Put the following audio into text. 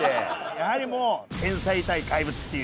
やはりもう天才対怪物っていう。